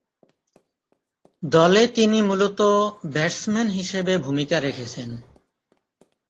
দলে তিনি মূলতঃ ব্যাটসম্যান হিসেবে ভূমিকা রেখেছেন।